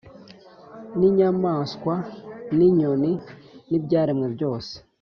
N'inyamaswa n'inyoni n'ibyaremwe byose.